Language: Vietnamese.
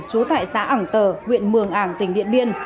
trú tại xã ảng tờ huyện mường ảng tỉnh điện biên